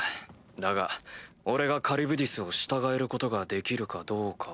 だが俺がカリュブディスを従えることができるかどうかは。